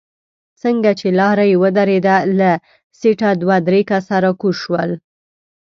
څنګه چې لارۍ ودرېده له سيټه دوه درې کسه راکوز شول.